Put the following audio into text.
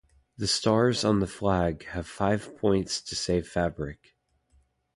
The stars on the flag have five points to save fabric.